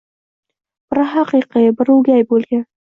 biri haqiqiy, biri o'gay bo'lgan